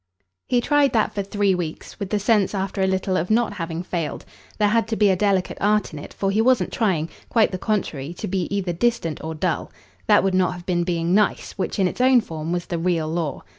He tried that for three weeks, with the sense after a little of not having failed. There had to be a delicate art in it, for he wasn't trying quite the contrary to be either distant or dull. That would not have been being "nice," which in its own form was the real law.